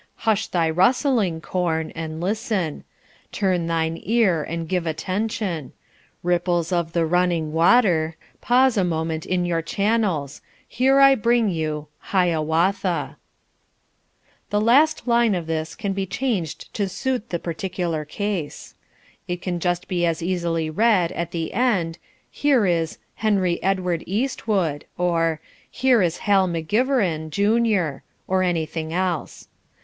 Hush thy rustling, corn, and listen; Turn thine ear and give attention; Ripples of the running water, Pause a moment in your channels Here I bring you, Hiawatha." The last line of this can be changed to suit the particular case. It can just as easily read, at the end, "Here is Henry Edward Eastwood," or, "Here is Hal McGiverin, Junior," or anything else.